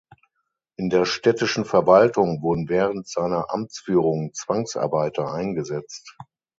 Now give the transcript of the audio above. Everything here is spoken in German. In der städtischen Verwaltung wurden während seiner Amtsführung Zwangsarbeiter eingesetzt.